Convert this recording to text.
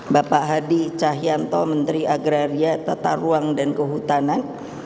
bapak hadi cahyanto menteri agraria tata ruang dan kehutanan